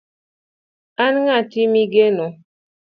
an ng'ati migeno